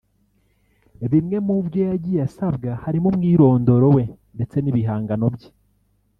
Bimwe mubyo yagiye asabwa harimo umwirondoro we ndetse n’ibihangano bye